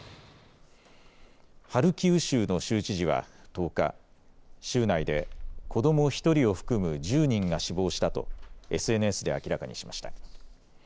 ハルキウ州の州知事は１０日、州内で子ども１人を含む１０人が死亡したとＳＮＳで明らかにしました。